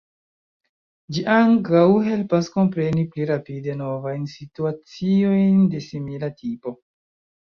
Ĝi ankaŭ helpas kompreni pli rapide novajn situaciojn de simila tipo.